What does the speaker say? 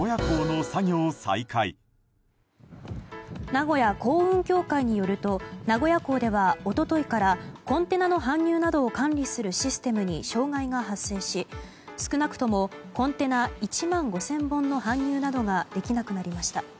名古屋港運協会によると名古屋港では一昨日からコンテナの搬入などを管理するシステムに障害が発生し、少なくともコンテナ１万５０００本の搬入などができなくなりました。